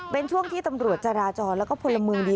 เป็นช่วงที่ตำรวจจราจรแล้วก็พลเมืองดี